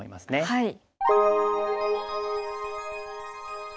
はい。